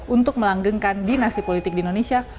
untuk melanggengkan dinasti politik di indonesia